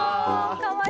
かわいい。